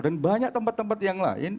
dan banyak tempat tempat yang lain